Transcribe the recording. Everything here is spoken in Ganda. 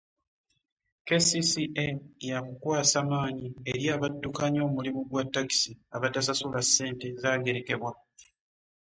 KCCA ya kukwasa maanyi eri abaddukanya omulimu gwa ttakisi abatasasula ssente zaagerekebwa.